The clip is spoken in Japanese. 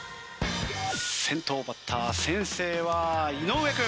先頭バッター先制は井上君。